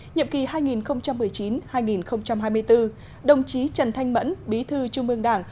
nhiệm kỳ hai nghìn một mươi chín hai nghìn hai mươi bốn đồng chí trần thanh mẫn bí thư trung ương đảng